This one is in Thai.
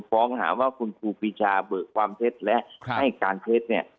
ก็ฟ้องหาว่าคุณครูภีรชาเผื่อความเท็จแล้วให้การเท็จ